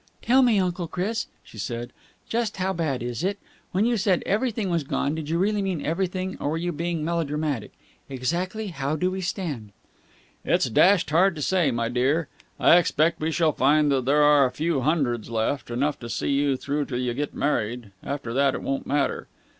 "Tell me, Uncle Chris," she said, "just how bad is it? When you said everything was gone, did you really mean everything, or were you being melodramatic? Exactly how do we stand?" "It's dashed hard to say, my dear. I expect we shall find there are a few hundreds left. Enough to see you through till you get married. After that it won't matter."